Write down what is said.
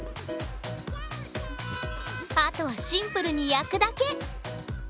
あとはシンプルに焼くだけ！